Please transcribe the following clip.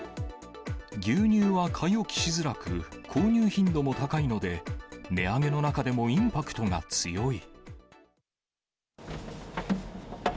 牛乳は買い置きしづらく、購入頻度も高いので、値上げの中でもインパクトが強い。